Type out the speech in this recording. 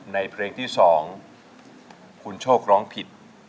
ในเพลงที่๒คุณโชคร้องผิด